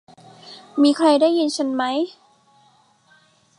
มีใครได้ยินฉันมั้ย